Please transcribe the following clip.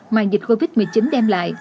mà dịch covid một mươi chín đem lại